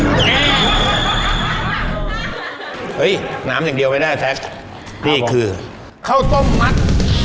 เฮ้ยน้ำอย่างเดียวไม่ได้แท็กนี่คือเข้าต้มมัตต์